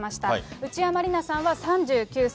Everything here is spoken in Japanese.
内山理名さんは３９歳。